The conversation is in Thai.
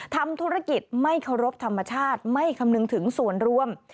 ทำธุรกิจไม่เคารพธรรมชาติไม่คำนึงถึงส่วนรวม